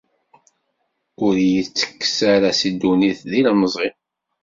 Ur iyi-ttekkes ara si ddunit, d ilemẓi.